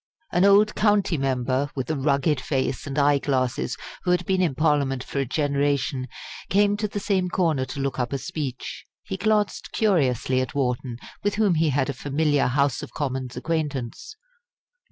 An old county member, with a rugged face and eye glasses, who had been in Parliament for a generation, came to the same corner to look up a speech. He glanced curiously at Wharton, with whom he had a familiar House of Commons acquaintance.